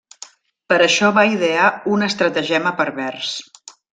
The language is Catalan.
Per això va idear un estratagema pervers.